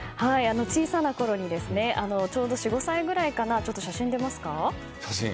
小さなころにちょうど４５歳くらいかな写真出ますかね。